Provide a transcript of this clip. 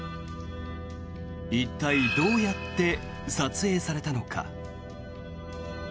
一体、どうやって撮影されたのか。